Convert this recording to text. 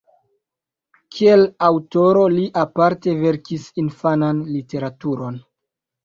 Kiel aŭtoro li aparte verkis infanan literaturon.